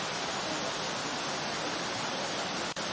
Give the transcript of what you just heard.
หลุดหลานมาลุก